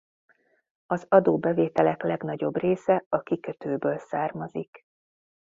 Az adóbevételek legnagyobb része a kikötőből származik.